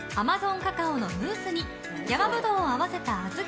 カカオのムースに山ぶどうを合わせた小豆。